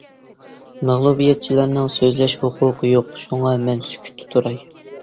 مەغلۇبىيەتچىلەرنىڭ سۆزلەش ھوقۇقى يوق، شۇڭا مەن سۈكۈتتە تۇراي.